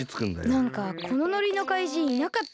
なんかこのノリのかいじんいなかったっけ？